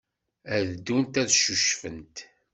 Ad ddunt ad ccucfent.